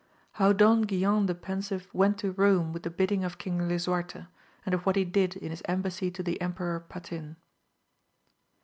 XXm. — ^How Pon Guilan the Fensire went to Borne with the bidding of King Lisuarte, and of what he did in his embassy to the £mperor Patin.